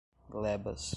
glebas